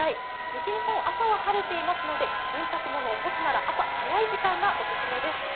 西日本、朝は晴れていますので、洗濯物を干すなら朝早い時間がオススメです。